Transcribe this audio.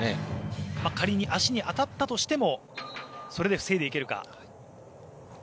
仮に足に当たったとしてもそれで防いでいけるか。